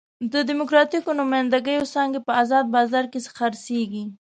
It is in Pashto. د ډیموکراتیکو نماینده ګیو څوکۍ په ازاد بازار کې خرڅېږي.